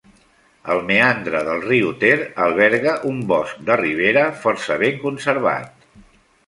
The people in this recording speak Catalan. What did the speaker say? El meandre del riu Ter alberga un bosc de ribera força ben conservat.